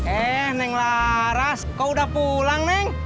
eh neng laras kau udah pulang neng